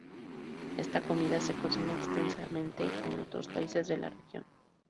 Esta comida se cocina extensamente en otros países de la región.